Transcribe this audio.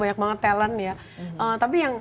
banyak banget talent ya tapi yang